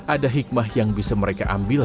ada hikmah yang bisa mereka ambil